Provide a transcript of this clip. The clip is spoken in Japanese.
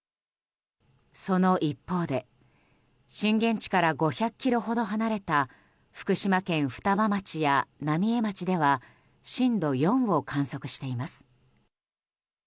その一方で震源地から５００ｋｍほど離れた福島県双葉町や浪江町では震度４を観測しています。